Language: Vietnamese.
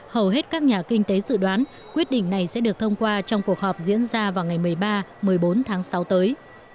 hầu hết các nhà kinh tế dự đoán quyết định này sẽ được thông qua trong cuộc họp diễn ra vào ngày một mươi ba một mươi bốn tháng sáu tới